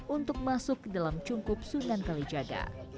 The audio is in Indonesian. untuk masuk ke dalam cungkup sungai kalijaga